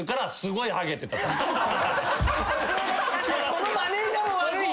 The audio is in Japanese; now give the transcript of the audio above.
そのマネージャーも悪い。